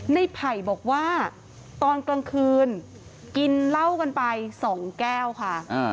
ไผ่บอกว่าตอนกลางคืนกินเหล้ากันไป๒แก้วค่ะ